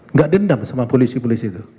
nggak dendam sama polisi polisi itu